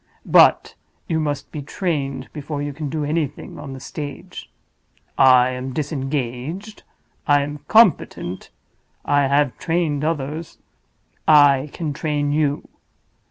But you must be trained before you can do anything on the stage. I am disengaged—I am competent—I have trained others—I can train you.